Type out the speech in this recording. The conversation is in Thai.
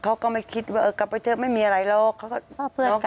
เขาก็ไม่คิดว่าเออกลับไปเถอะไม่มีอะไรหรอก